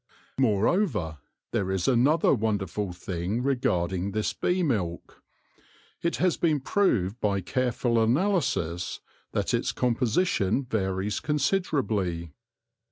Moreover, there is another wonderful thing regarding this bee milk. It has been proved by careful analysis that its composition varies considerably.